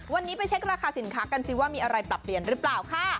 วันนี้ไปเช็คราคาสินค้ากันสิว่ามีอะไรปรับเปลี่ยนหรือเปล่าค่ะ